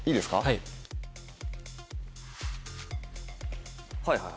はいはいはい。